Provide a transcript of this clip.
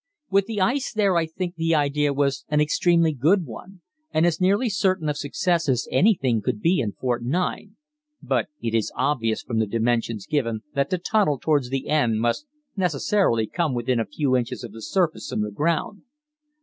With the ice there I think the idea was an extremely good one, and as nearly certain of success as anything could be in Fort 9, but it is obvious from the dimensions given that the tunnel towards the end must necessarily come within a few inches of the surface of the ground.